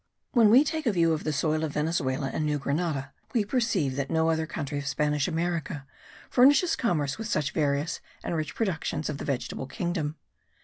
When we take a view of the soil of Venezuela and New Grenada we perceive that no other country of Spanish America furnishes commerce with such various and rich productions of the vegetable kingdom.